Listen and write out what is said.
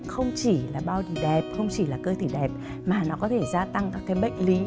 không chỉ là bao bì đẹp không chỉ là cơ thể đẹp mà nó có thể gia tăng các cái bệnh lý